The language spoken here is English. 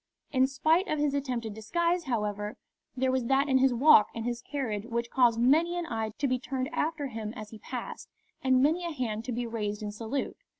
In spite of his attempted disguise, however, there was that in his walk and his carriage which caused many an eye to be turned after him as he passed and many a hand to be raised in salute.